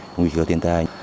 vùng nguy cơ thiên tai